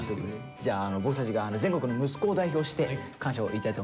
じゃあ僕たちが全国の息子を代表して感謝を言いたいと思います。